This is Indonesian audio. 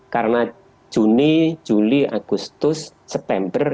karena juni juli agustus september